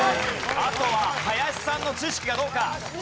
あとは林さんの知識がどうか？